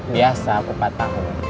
biasa kupat tahu